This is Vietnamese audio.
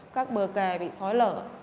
các bờ kè bị xói lở